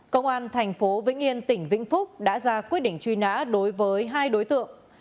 công an thành phố vĩnh yên tỉnh vĩnh phúc đã ra quyết định truy nã đối với hai đối tượng